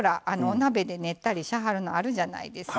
鍋で練ったりしはるのあるじゃないですか。